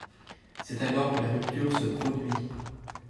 C’est alors que la rupture se produit.